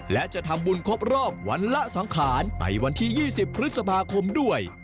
และจะทำบุญครบรอบวันละสังขารไปวันที่๒๐พฤษภาคมด้วย